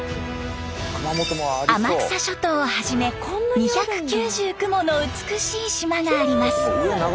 天草諸島をはじめ２９９もの美しい島があります。